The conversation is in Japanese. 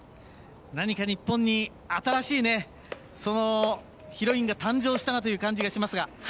何か日本に新しいヒロインが誕生したなという感じがしますが。